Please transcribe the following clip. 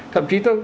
thậm chí tôi